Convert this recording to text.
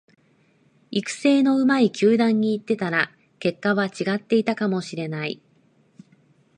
育成の上手い球団に行ってたら結果は違っていたかもしれない